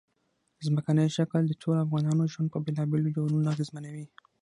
ځمکنی شکل د ټولو افغانانو ژوند په بېلابېلو ډولونو اغېزمنوي.